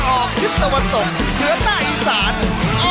ออเบอร์โตมหาสนุกมาแล้ว